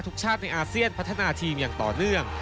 ชาติในอาเซียนพัฒนาทีมอย่างต่อเนื่อง